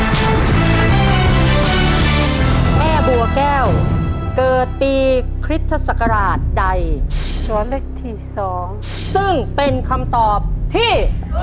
แม่บัวแก้วเกิดปีคริสตศักราชใดตัวเลือกที่สองซึ่งเป็นคำตอบที่